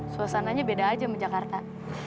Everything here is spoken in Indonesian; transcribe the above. suasananya beda aja sama jakarta